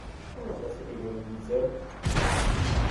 I'm not a silly young geezer.